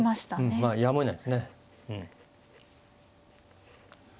まあやむをえないですね。